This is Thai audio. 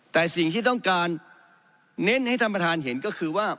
แต่สิ่งที่ต้องการเน้นให้ท่านประธานเห็นก็คือว่า